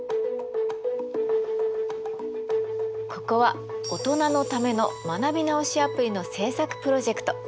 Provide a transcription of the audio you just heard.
ここはオトナのための学び直しアプリの制作プロジェクト。